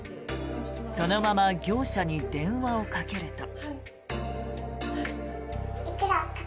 そのまま業者に電話をかけると。